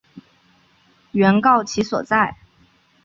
原告其所在！